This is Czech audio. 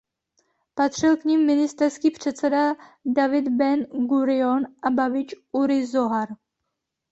Patřil k nim ministerský předseda David Ben Gurion a bavič Uri Zohar.